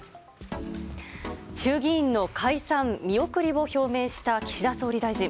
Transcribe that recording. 衆議院の解散見送りを表明した岸田総理大臣。